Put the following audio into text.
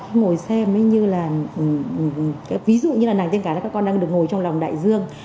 khi ngồi xem như là ví dụ như là nàng tiên cá các con đang được ngồi trong lòng đại dương